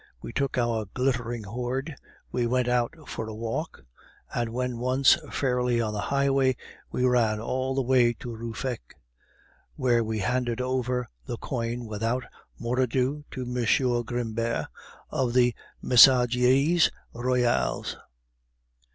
We took our glittering hoard, we went out for a walk, and when once fairly on the highway we ran all the way to Ruffec, where we handed over the coin, without more ado, to M. Grimbert of the Messageries Royales.